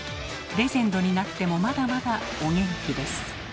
レジェンドになってもまだまだお元気です。